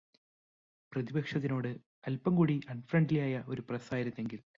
പ്രതിപക്ഷത്തിനോട് അല്പം കൂടി അൺഫ്രണ്ട്ലിയായ ഒരു പ്രസ്സ് ആയിരുന്നെങ്കിൽ